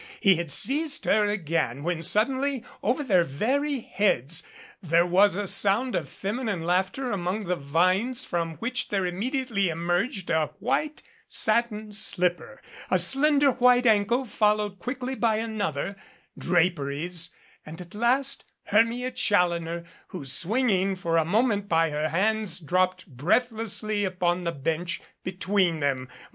He had seized her again when suddenly over their very heads there was a sound of feminine laughter among the vines from which there immediately emerged a white satin slipper, a slender white ankle, followed quickly by another draperies, and at last Hermia Challoner, who, swinging for a moment by her hands, dropped breathlessly upon the bench between them.